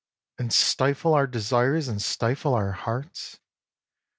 And stifle our desires and stifle our hearts.